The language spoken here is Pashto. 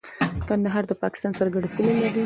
کندهار د پاکستان سره ګډه پوله لري.